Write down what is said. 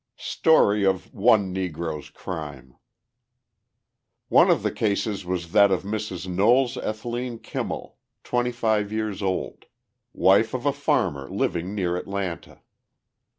Story of One Negro's Crime One of the cases was that of Mrs. Knowles Etheleen Kimmel, twenty five years old, wife of a farmer living near Atlanta.